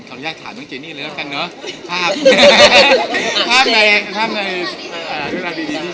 ก็ได้ถามต้องแจนี่เลยล่ะกันเนอะ